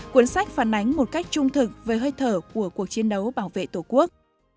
cuốn sách phản ánh một cách trung thực về hơi thở của cuộc chiến đấu bảo vệ tổ quốc